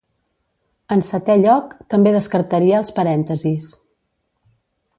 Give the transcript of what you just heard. En setè lloc, també descartaria els Parèntesis.